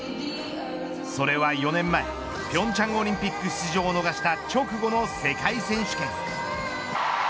それは４年前平昌オリンピック出場を逃した直後の世界選手権。